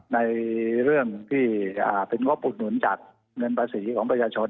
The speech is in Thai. ในเรื่องที่เป็นงบอุดหนุนจากเงินภาษีของประชาชน